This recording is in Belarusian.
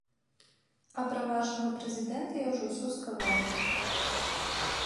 А пра вашага прэзідэнта я ўжо ўсё сказаў.